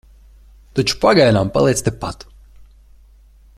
Taču pagaidām paliec tepat.